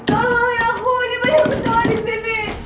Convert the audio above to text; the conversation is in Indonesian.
tolongin aku ini banyak kecewa disini